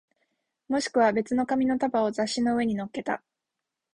もしくは別の紙の束を雑誌の上に乗っけた